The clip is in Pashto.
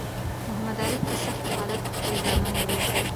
محمد عارف په سختو حالاتو کی خپل زامن وروزل